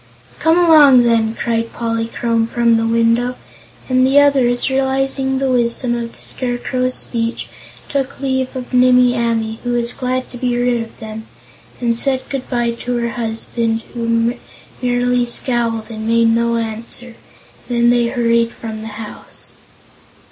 "Come along, then!" cried Polychrome from the window, and the others, realizing the wisdom of the Scarecrow's speech, took leave of Nimmie Amee, who was glad to be rid of them, and said good bye to her husband, who merely scowled and made no answer, and then they hurried from the house.